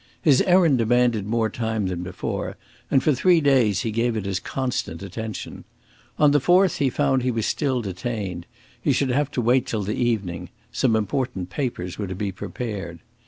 His errand demanded more time than before, and for three days he gave it his constant attention. On the fourth he found he was still detained; he should have to wait till the evening some important papers were to be prepared.